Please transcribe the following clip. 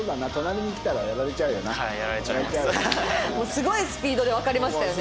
すごいスピードでわかりましたよね。